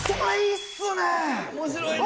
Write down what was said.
「面白いね！」。